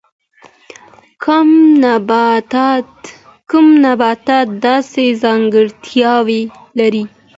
کم نباتات داسې ځانګړتیاوې لري.